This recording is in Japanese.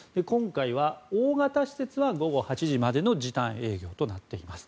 大型施設は午後８時までの時短営業となっています。